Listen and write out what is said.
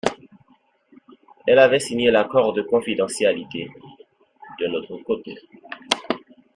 Elle avait signé l’accord de confidentialité, d’un autre côté.